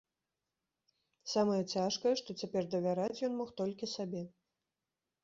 Самае цяжкае, што цяпер давяраць ён мог толькі сабе.